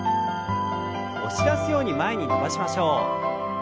押し出すように前に伸ばしましょう。